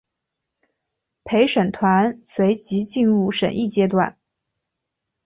陪审团随即进入审议阶段。